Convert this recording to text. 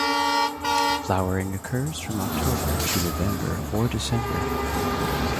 Flowering occurs from October to November or December.